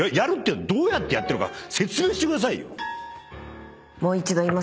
どうやってやってるか説明してくださいよ！